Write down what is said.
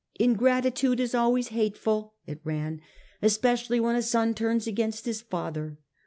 " Ingratitude is always hateful," it ran, " especially when a son turns against his father.